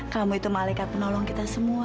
kamu itu malaikat penolong kita semua